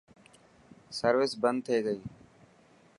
سروس بند ٿي گئي.